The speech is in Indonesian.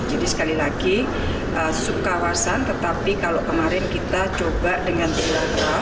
jadi sekali lagi subkawasan tetapi kalau kemarin kita coba dengan bilateral